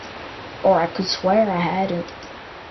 Or I could swear I hadn't.